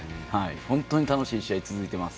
本当に楽しい試合続いています。